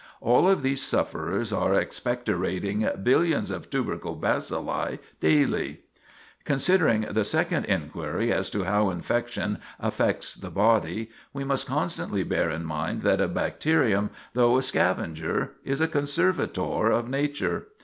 All of these sufferers are expectorating billions of tubercle bacilli daily." [Sidenote: How Bacteria Affect the Body] Considering the second inquiry as to how infection affects the body, we must constantly bear in mind that a bacterium, though a scavenger, is a conservator of nature.